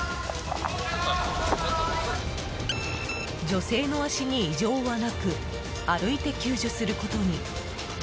女性の足に異常はなく歩いて救助することに。